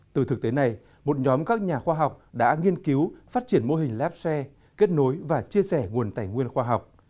từ thực tế này một nhóm các nhà khoa học đã nghiên cứu phát triển mô hình labshare kết nối và chia sẻ nguồn tài nguyên khoa học